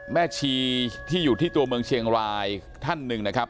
แม่ชีที่อยู่ที่ตัวเมืองเชียงรายท่านหนึ่งนะครับ